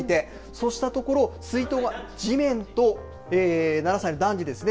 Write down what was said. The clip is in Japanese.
そうしたところ、水筒が地面と７歳の男児ですね